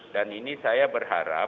dan ini saya berharap